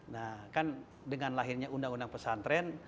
nah kan dengan lahirnya undang undang pesantren